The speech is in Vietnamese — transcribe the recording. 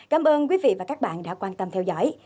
cảm ơn quý vị và các bạn đã quan tâm theo dõi